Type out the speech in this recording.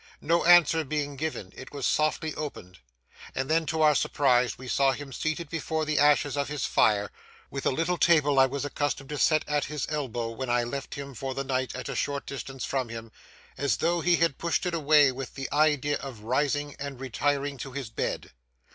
No answer being given, it was softly opened; and then, to our surprise, we saw him seated before the ashes of his fire, with a little table I was accustomed to set at his elbow when I left him for the night at a short distance from him, as though he had pushed it away with the idea of rising and retiring to his bed.